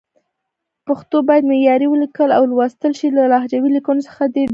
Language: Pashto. پښتو باید معیاري ولیکل او ولوستل شي، له لهجوي لیکنو څخه دې ډډه وشي.